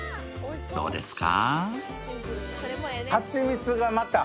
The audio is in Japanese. どうですか？